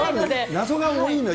謎が多いのよ。